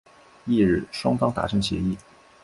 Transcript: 翌日双方达成协议。